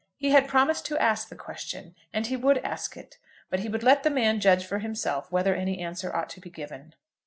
He had promised to ask the question, and he would ask it; but he would let the man judge for himself whether any answer ought to be given.